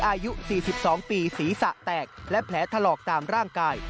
อายุ๔๒ปีศีรษะแตกและแผลถลอกตามร่างกาย